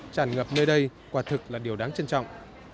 tràn ngập nơi đây quả thực là điều đáng trân trọng